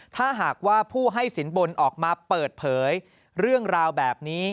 ถ้าหากว่าผู้ให้สินบนออกมาเปิดเผยเรื่องราวแบบนี้